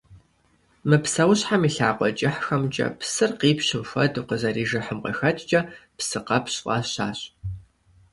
Мы псэущхьэм и лъакъуэ кӀыхьхэмкӀэ псыр къипщым хуэдэу къызэрижыхьым къыхэкӀкӀэ псыкъэпщ фӀащащ.